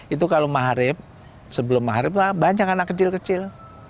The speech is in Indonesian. itu kalau maharib sebelum maharib banyak anak kecil kecil